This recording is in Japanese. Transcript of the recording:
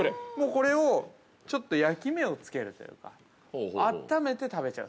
これをちょっと焼き目をつけるというかあっためて食べちゃう。